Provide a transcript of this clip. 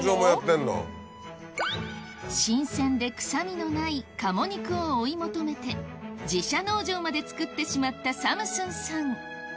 新鮮で臭みのない鴨肉を追い求めて自社農場まで作ってしまったサムスンさん